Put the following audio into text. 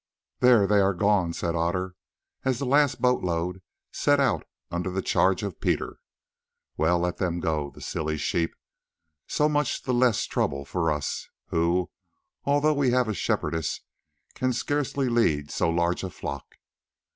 "There, they are gone," said Otter, as the last boat load set out under the charge of Peter. "Well, let them go, the silly sheep. So much the less trouble for us, who, although we have a Shepherdess, can scarcely lead so large a flock.